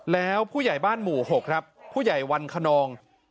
แล้วผู้ใหญ่บ้านหมู่๖ครับผู้ใหญ่วันคนนอง